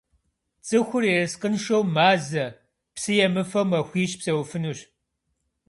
Цӏыхур ерыскъыншэу мазэ, псы емыфэу махуищ псэуфынущ.